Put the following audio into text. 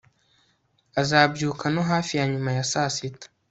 azabyuka no hafi ya nyuma ya saa sita